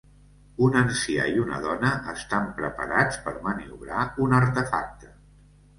Un ancià i una dona estan preparats per maniobrar un artefacte.